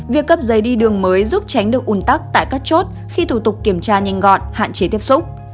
việc cấp giấy đi đường mới giúp tránh được un tắc tại các chốt khi thủ tục kiểm tra nhanh gọn hạn chế tiếp xúc